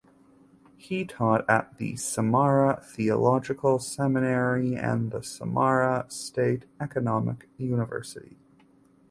He taught at the Samara Theological Seminary and the Samara State Economic University.